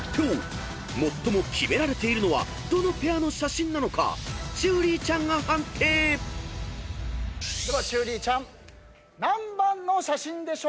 ［最もキメられているのはどのペアの写真なのかちゅーりーちゃんが判定］ではちゅーりーちゃん何番の写真でしょうか？